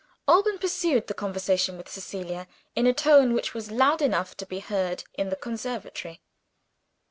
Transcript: Alban pursued the conversation with Cecilia, in a tone which was loud enough to be heard in the conservatory.